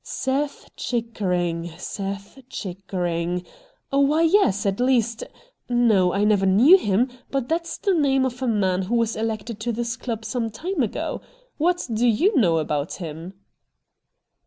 ' Seth Chickering, Seth Chickering ? Why yes, at least — no, I never knew him, but that's the name of a man who was elected to this club some time ago. What do you know about him